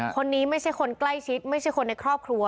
คนนี้ไม่ใช่คนใกล้ชิดไม่ใช่คนในครอบครัว